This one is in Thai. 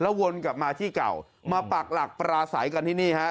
แล้ววนกลับมาที่เก่ามาปากหลักปลาสายกันที่นี่